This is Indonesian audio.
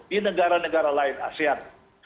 di negara negara lain asean